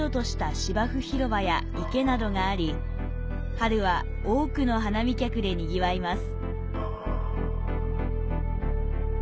春は多くの花見客で賑わいます。